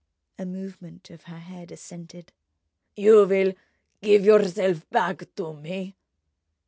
A movement of her head assented. "You will give yourself back to me?"